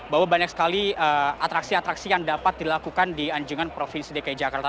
bahwa banyak sekali atraksi atraksi yang dapat dilakukan di anjungan provinsi dki jakarta